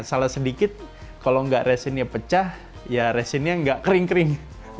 salah sedikit kalau nggak resinnya pecah ya resinnya nggak kering kering